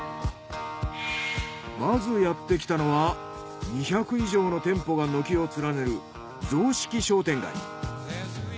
まずやってきたのは２００以上の店舗が軒を連ねる雑色商店街。